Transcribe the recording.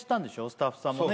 スタッフさんがね